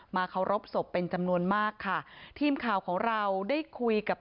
เคารพศพเป็นจำนวนมากค่ะทีมข่าวของเราได้คุยกับ